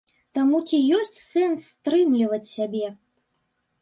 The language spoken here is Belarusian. Таму ці ёсць сэнс стрымліваць сябе?